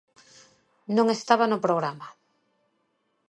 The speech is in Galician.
Non estaba no programa.